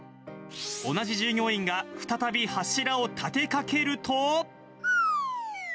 同じ従業員が再び柱を立てかけると。